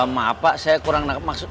maaf pak saya kurang maksud